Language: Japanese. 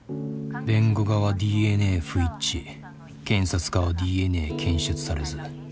弁護側ＤＮＡ不一致検察側ＤＮＡ検出されず。